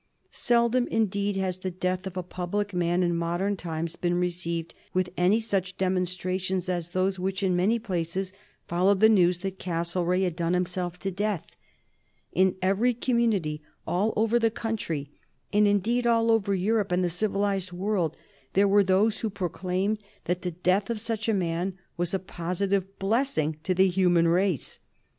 Seldom, indeed, has the death of a public man in modern times been received with any such demonstrations as those which in many places followed the news that Castlereagh had done himself to death. In every community all over the country, and indeed all over Europe and the civilized world, there were those who proclaimed that the death of such a man was a positive blessing to the human race.